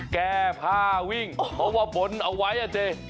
แก้ผ้าวิ่งเพราะว่าบนเอาไว้อ่ะสิ